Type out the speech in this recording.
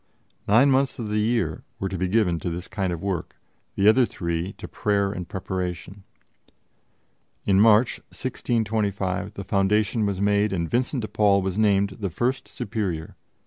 Nine months of the year were to be given to this kind of work; the other three to prayer and preparation. In March, 1625, the foundation was made, and Vincent de Paul was named the first superior.